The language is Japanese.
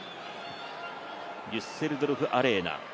デュッセルドルフ・アレーナ。